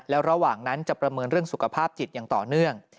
แล้วระหว่างนั้นจะประเมินเรื่องสุขภาพจิตอย่างต่อเนื่อง